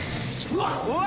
うわ！